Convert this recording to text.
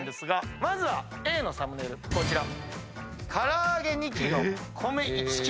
まずはＡのサムネイルこちら。